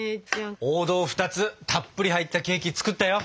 王道２つたっぷり入ったケーキ作ったよ。